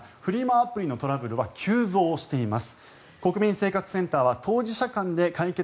アプリのトラブルは急増しています。